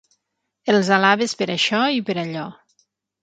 Els alabes per això i per allò.